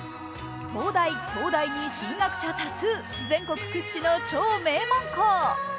東大・京大に進学者多数、全国屈指の超名門校。